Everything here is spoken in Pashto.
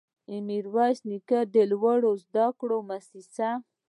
ميرويس نيکه لوړو زده کړو مؤسسه